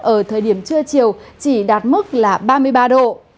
ở thời điểm trưa chiều chỉ đạt mức là ba mươi ba độ